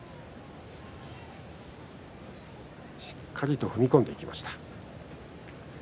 しっかりと踏み込んでいきました。